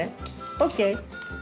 ＯＫ。